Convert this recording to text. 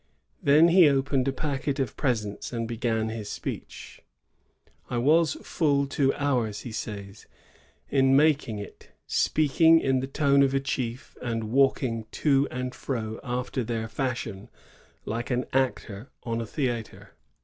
Then he opened his packet of presents and began his speech. " I was full two hours, " he says, " in making it, speaking in the tone of a chief, and walking to and fro, after their fashion, like an actor on a theatre."